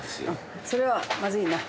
それはまずいな。